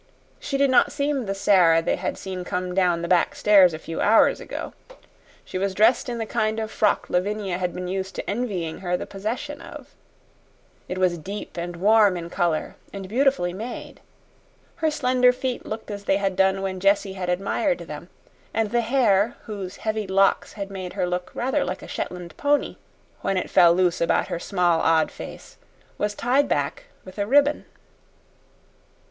She did not seem the Sara they had seen come down the back stairs a few hours ago. She was dressed in the kind of frock Lavinia had been used to envying her the possession of. It was deep and warm in color, and beautifully made. Her slender feet looked as they had done when Jessie had admired them, and the hair, whose heavy locks had made her look rather like a Shetland pony when it fell loose about her small, odd face, was tied back with a ribbon.